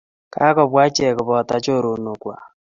Kagobwa icheek koboto choronokwag.